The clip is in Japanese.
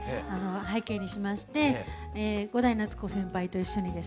背景にしまして伍代夏子先輩と一緒にですね